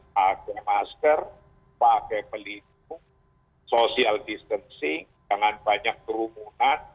pakai masker pakai pelindung social distancing jangan banyak kerumunan